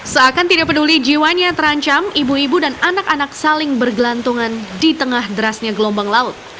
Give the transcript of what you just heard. seakan tidak peduli jiwanya terancam ibu ibu dan anak anak saling bergelantungan di tengah derasnya gelombang laut